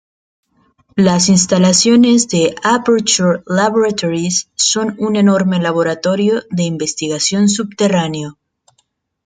Las instalaciones de Aperture Laboratories son un enorme laboratorio de investigación subterráneo.